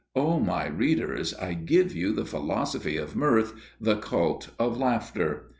O my readers, I give you the Philosophy of Mirth, the Cult of Laughter!